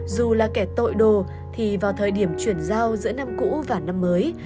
dù là kẻ tội đồ thì vào thời điểm chuyển giao giữa năm cũ và năm mới